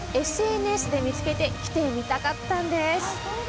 ＳＮＳで見つけて来てみたかったんです。